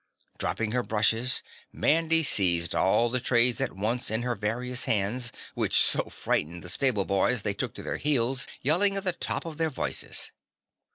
Dropping her brushes Mandy seized all the trays at once in her various hands, which so frightened the stable boys they took to their heels yelling at the tops of their voices.